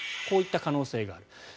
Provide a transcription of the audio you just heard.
こういった可能性があると。